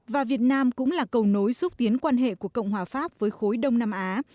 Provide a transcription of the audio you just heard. và việt nam cũng là cầu nối xúc tiến quan hệ của cộng hòa pháp với khối đông nam á